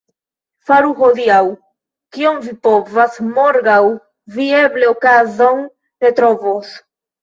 Faru hodiaŭ, kion vi povas — morgaŭ vi eble okazon ne trovos.